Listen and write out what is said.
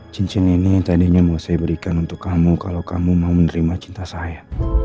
cincin ini tadinya mau saya berikan untuk kamu kalau kamu mau menerima cinta saya